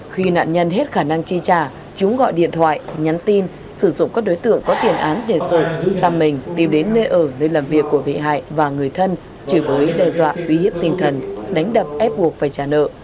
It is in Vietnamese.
khi nạn nhân hết khả năng chi trả chúng gọi điện thoại nhắn tin sử dụng các đối tượng có tiền án để sợ xăm mình đi đến nơi ở nơi làm việc của bị hại và người thân chửi bới đe dọa uy hiếp tinh thần đánh đập ép buộc phải trả nợ